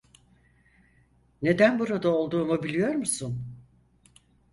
Neden burada olduğumu biliyor musun?